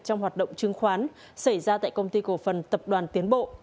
trong hoạt động chứng khoán xảy ra tại công ty cổ phần tập đoàn tiến bộ